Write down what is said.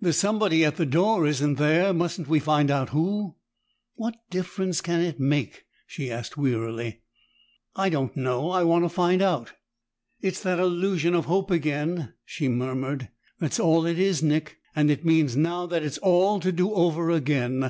"There's somebody at the door, isn't there? Mustn't we find out who?" "What difference can it make?" she asked wearily. "I don't know. I want to find out." "It's that illusion of hope again," she murmured. "That's all it is, Nick and it means now that it's all to do over again!